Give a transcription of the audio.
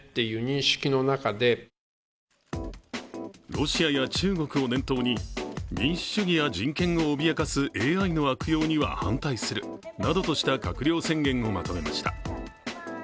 ロシアや中国を念頭に民主主義や人権を脅かすＡＩの悪用には反対するなどとした閣僚宣言をまとめました。